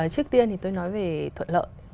trước tiên thì tôi nói về thuận lợi